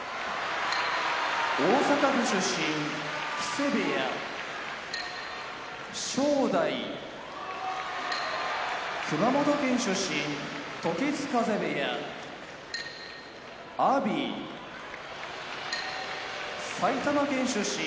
大阪府出身木瀬部屋正代熊本県出身時津風部屋阿炎埼玉県出身